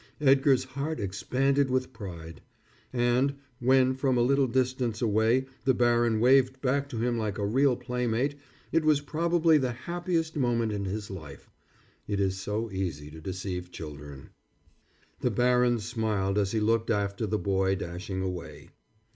Edgar's heart expanded with pride. And, when from a little distance away the baron waved back to him like a real playmate, it was probably the happiest moment in his life. It is so easy to deceive children. The baron smiled as he looked after the boy dashing away.